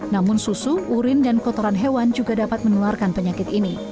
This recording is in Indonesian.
namun susu urin dan kotoran hewan juga dapat menularkan penyakit ini